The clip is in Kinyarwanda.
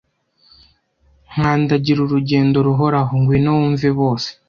Nkandagira urugendo ruhoraho, (ngwino wumve bose!)